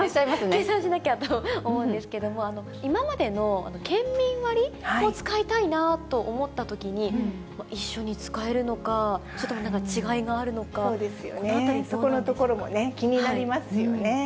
計算しなきゃと思うんですけれども、今までの県民割を使いたいなと思ったときに、一緒に使えるのか、それともちょっと何か違いがあるのか、このあたり、どうなんでしここのところも気になりますよね。